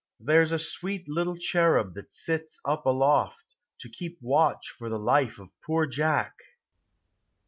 There's a sweet little cherub that sits up aloft, To keep watch for the lite of poor .Jack!